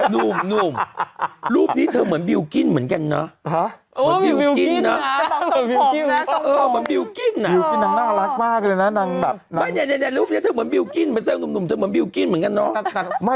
หนุ่มรูปนี้เธอเหมือนบิลกิ้นเหมือนกันเนอะ